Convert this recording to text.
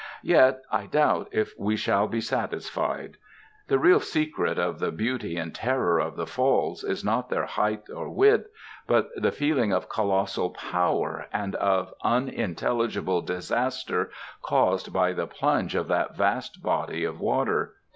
Yet, I doubt if we shall be satisfied. The real secret of the beauty and terror of the Falls is not their height or width, but the feeling of colossal power and of unintelligible disaster caused by the plunge of that vast body of water.